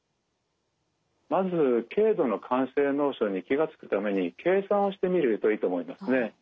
まず軽度の肝性脳症に気が付くために計算をしてみるといいと思いますね。